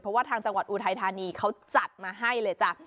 เพราะว่าทางจังหวัดอุทัยธานีเขาจัดมาให้เลยจ้ะ